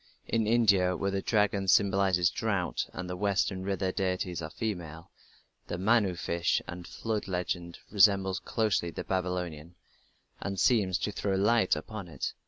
In India, where the dragon symbolizes drought and the western river deities are female, the Manu fish and flood legend resembles closely the Babylonian, and seems to throw light upon it.